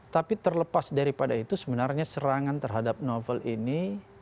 tapi terlepas daripada itu sebenarnya serangan terhadap novel ini